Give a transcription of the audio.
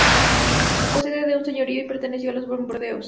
Fue sede de un señorío y perteneció a los Borbones.